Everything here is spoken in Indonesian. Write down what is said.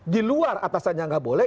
di luar atasannya nggak boleh